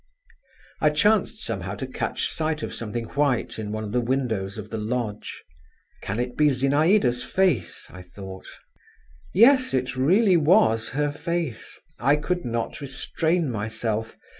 I chanced somehow to catch sight of something white in one of the windows of the lodge…. "Can it be Zinaïda's face?" I thought … yes, it really was her face. I could not restrain myself.